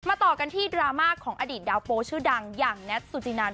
ต่อกันที่ดราม่าของอดีตดาวโปชื่อดังอย่างแน็ตสุจินัน